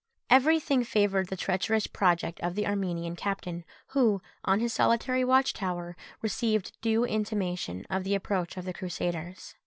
Every thing favoured the treacherous project of the Armenian captain, who, on his solitary watch tower, received due intimation of the approach of the Crusaders.